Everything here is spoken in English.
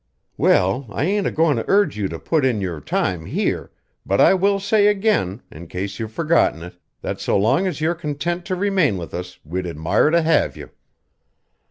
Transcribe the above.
"Well, I ain't a goin' to urge you to put in your time here; but I will say again, in case you've forgotten it, that so long as you're content to remain with us we'd admire to have you.